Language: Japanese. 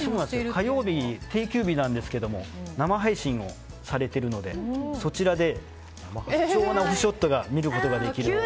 火曜日、定休日なんですけど生配信をされているのでそちらで貴重なオフショットを見ることができると。